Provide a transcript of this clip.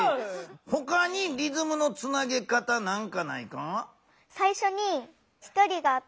ほかにリズムのつなげ方なんかないか？